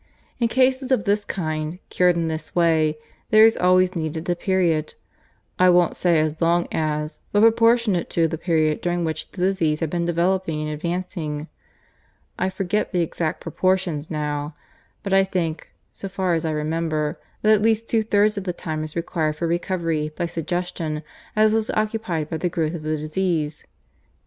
In cases of this kind, cured in this way, there is always needed a period, I won't say as long as, but proportionate to, the period during which the disease had been developing and advancing. I forget the exact proportions now, but I think, so far as I remember, that at least two thirds of the time is required for recovery by suggestion as was occupied by the growth of the disease.